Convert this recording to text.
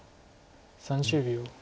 ３０秒。